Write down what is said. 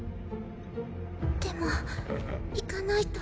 でも行かないと。